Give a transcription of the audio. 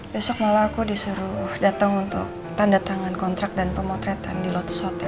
besok malah aku disuruh datang untuk tanda tangan kontrak dan pemotretan di lotus hotel